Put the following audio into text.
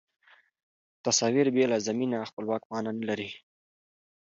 تصاویر بې له زمینه خپلواک معنا نه لري.